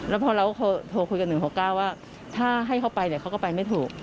แล้วพอเราโทรคุยกับ๑๖๙ว่าถ้าให้เขาไปเดี๋ยวเขาก็ไปไม่ถูก